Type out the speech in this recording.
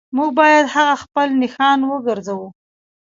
موږ باید هغه خپل نښان وګرځوو